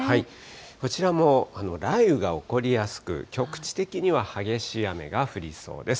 こちらも雷雨が起こりやすく、局地的には激しい雨が降りそうです。